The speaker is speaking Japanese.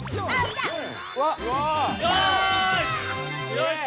よし！